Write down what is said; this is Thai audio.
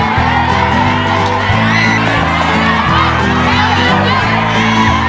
พร้อมไหมฮะไข่